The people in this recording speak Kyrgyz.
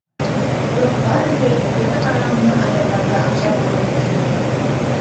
Бирок баары бир эркектерге караганда аялдарда акча болбойт экен.